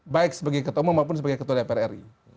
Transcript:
baik sebagai ketua maupun sebagai ketua dpr ri